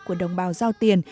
của đồng bào giao tiền